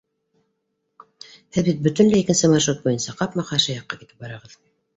— Һеҙ бит бөтөнләй икенсе маршрут буйынса, ҡапма-ҡаршы яҡҡа китеп барағыҙ!